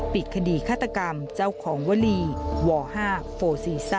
ปิดคดีฆาตกรรมเจ้าของวลีว่าห้าโฟศีซา